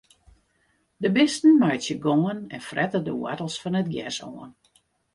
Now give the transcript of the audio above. De bisten meitsje gongen en frette de woartels fan it gers oan.